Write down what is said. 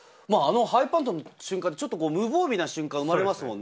ハイパントの瞬間、ちょっと無防備な瞬間が生まれますもんね。